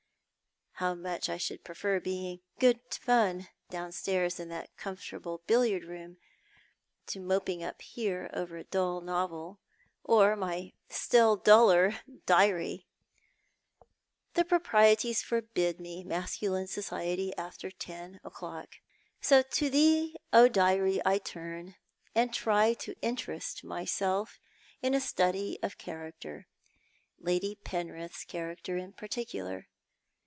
How much I should i^refer being "good fun" down stairs in that comfortable billiard room, to moping up here over a dull novel, or my still duller diary ! The proprieties forbid me masculiue society after ten o'clock ; so to thee, Diary, I turu, and try to interest myself in a study of character. Lady Penrith's character iu j^articular.